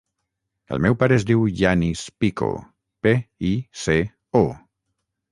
El meu pare es diu Yanis Pico: pe, i, ce, o.